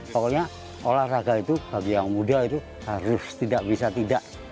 pokoknya olahraga itu bagi yang muda itu harus tidak bisa tidak